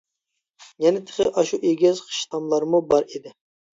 يەنە تېخى ئاشۇ ئېگىز خىش تاملارمۇ بار ئىدى.